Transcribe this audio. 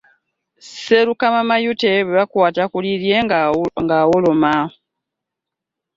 Sserukama mawuggwe bwe bakwat ku likye nga wuluguma .